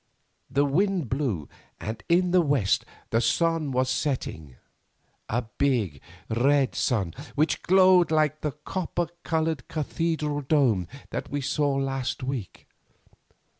The wind blew and in the west the sun was setting, a big, red sun which glowed like the copper covered cathedral dome that we saw last week.